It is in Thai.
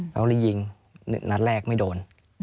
เขาเลยยิงนัดแรกไม่โดน